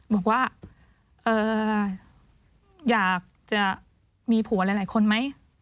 บอกว่าอยากจะมีผัวหลายคนไหม